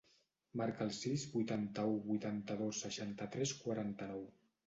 Marca el sis, vuitanta-u, vuitanta-dos, seixanta-tres, quaranta-nou.